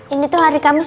ini tuh hari kamis